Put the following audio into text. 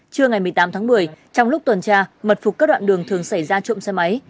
trưa ngày một mươi tám tháng một mươi trong lúc tuần tra mật phục các đoạn đường thường xảy ra trộm xe máy